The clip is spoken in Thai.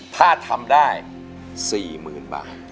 ถ้าทำได้สี่หมื่นบาท